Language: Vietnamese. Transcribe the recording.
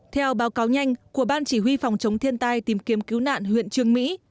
theo báo cáo nhanh của ban chỉ huy phòng chống thiên tai tìm kiếm cứu nạn huyện trương mỹ